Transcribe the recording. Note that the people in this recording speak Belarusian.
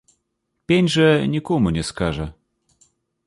Пень жа нікому не скажа.